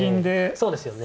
そうですよね。